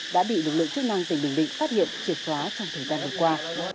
đã bị lực lượng chức năng dành bình định phát hiện triệt thoá trong thời gian vừa qua